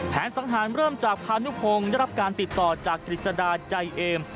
สังหารเริ่มจากพานุพงศ์ได้รับการติดต่อจากกฤษดาใจเอม